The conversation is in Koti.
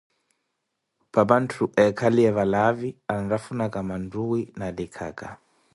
papantthu eekhaliye valaavi anrafunaka manthuwi na likhaka.